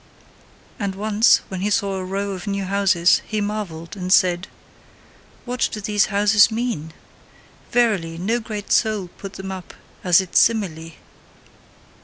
And once, when he saw a row of new houses, he marvelled, and said: "What do these houses mean? Verily, no great soul put them up as its simile!